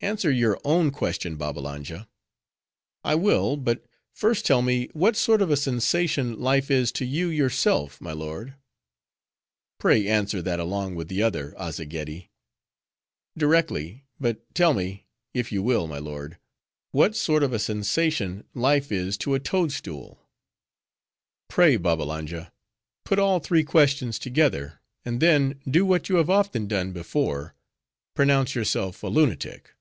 "Answer your own question, Babbalanja." "I will; but first tell me what sort of a sensation life is to you, yourself, my lord." "Pray answer that along with the other, Azzageddi." "Directly; but tell me, if you will, my lord, what sort of a sensation life is to a toad stool." "Pray, Babbalanja put all three questions together; and then, do what you have often done before, pronounce yourself a lunatic."